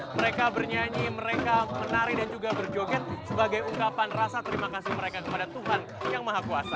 mereka bernyanyi mereka menari dan juga berjoget sebagai ungkapan rasa terima kasih mereka kepada tuhan yang maha kuasa